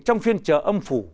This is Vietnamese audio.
trong phiên trở âm phủ